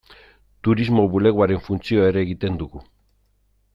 Turismo bulegoaren funtzioa ere egiten dugu.